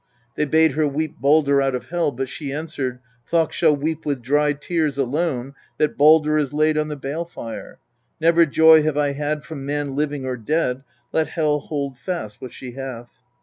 They bade her weep Baldr out of Hel, but she answered :' Thokk shall weep with dry tears alone that Baldr is laid on the bale fire : Never joy have I had from man living or dead : let Hel hold fast what she hath.'